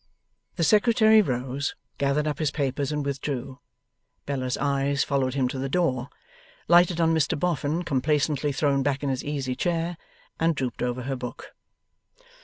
The Secretary rose, gathered up his papers, and withdrew. Bella's eyes followed him to the door, lighted on Mr Boffin complacently thrown back in his easy chair, and drooped over her book.